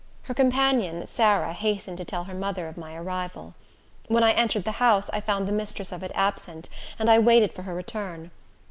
Her companion, Sarah, hastened to tell her mother of my arrival. When I entered the house, I found the mistress of it absent, and I waited for her return.